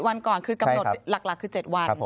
วันก่อนคือกำหนดหลักคือ๗วัน